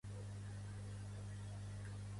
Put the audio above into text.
On va acabar el batxillerat Tàpies?